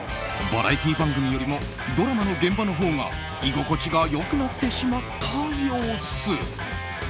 バラエティー番組よりもドラマの現場のほうが居心地が良くなってしまった様子。